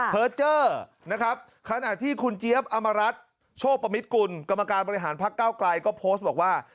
เผิดเจอร์ขณะที่คุณเจี๊ยบอำมารัฐโชคประมิติกุลกรรมการบริหารภักดิ์เก้าไกลก็โพสต์บอกว่า